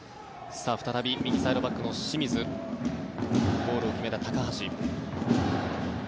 再び右サイドバックの清水ゴールを決めた高橋。